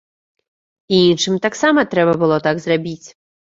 І іншым таксама трэба было так зрабіць!